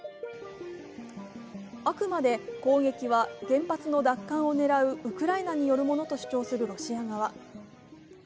あくまで攻撃は原発の奪還を狙うウクライナによるものだと主張するロシア側。